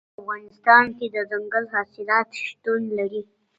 په افغانستان کې دځنګل حاصلات شتون لري.